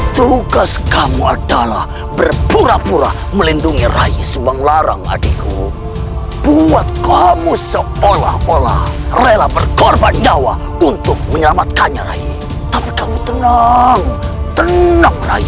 dan mereka akan langsung menyergap kalian